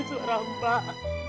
enggak berguna mak